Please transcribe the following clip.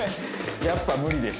「“やっぱ無理でした”」